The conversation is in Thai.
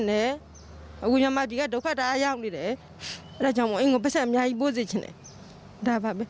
อย่าเป็นอย่างนี้แหละไม่อยากเป็นทะเลาะกันอย่างนี้แหละค่ะ